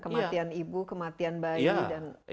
kematian ibu kematian bayi